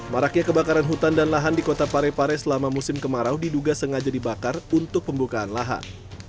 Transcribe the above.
marakya kebakaran hutan dan lahan di kota parepare selama musim kemarau diduga sengaja dibakar untuk pembukaan lahan